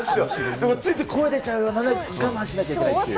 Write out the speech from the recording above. でも、ついつい声出ちゃうのを我慢しなきゃいけないっていう。